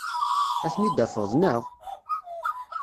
Ad ten-id-tafeḍ, naɣ?